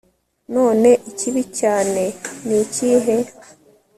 None ikibi cyane ni ikihe